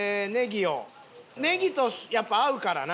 ネギとやっぱ合うからな。